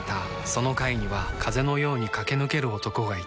その階には風のように駆け抜ける男がいた